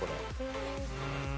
うん。